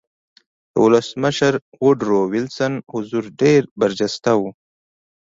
د ولسمشر ووډرو وېلسن حضور ډېر برجسته و